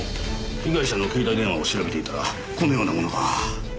被害者の携帯電話を調べていたらこのようなものが。